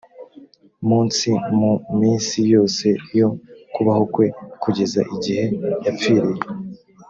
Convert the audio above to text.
munsi mu minsi yose yo kubaho kwe kugeza igihe yapfiriye